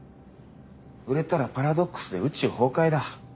売れたらパラドックスで宇宙崩壊だ。